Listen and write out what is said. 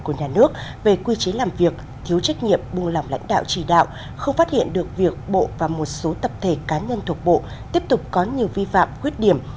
của nhà nước về quy chế làm việc thiếu trách nhiệm buông lỏng lãnh đạo chỉ đạo không phát hiện được việc bộ và một số tập thể cá nhân thuộc bộ tiếp tục có nhiều vi phạm khuyết điểm